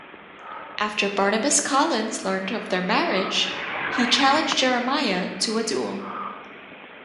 After Barnabas Collins learned of their marriage, he challenged Jeremiah to a duel.